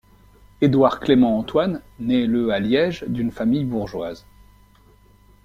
Édouard-Clément-Antoine né le à Liège d'une famille bourgeoise.